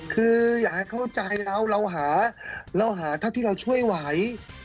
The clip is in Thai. คืออยากให้เข้าใจเราเราหาเราหาเท่าที่เราช่วยไหว